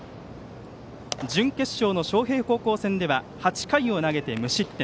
準決勝の晶平高校戦では８回を投げて無失点。